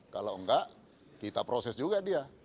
kalau enggak kita proses juga dia